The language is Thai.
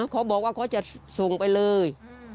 เขาบอกว่าเขาจะส่งไปเลย